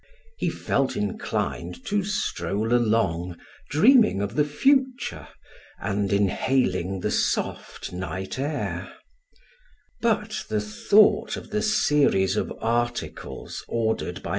He felt inclined to stroll along, dreaming of the future and inhaling the soft night air; but the thought of the series of articles ordered by M.